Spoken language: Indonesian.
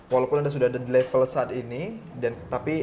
walaupun anda sudah ada di level saat ini